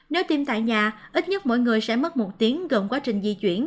nếu tiêm tại nhà ít nhất mỗi người sẽ mất một tiếng gồm quá trình di chuyển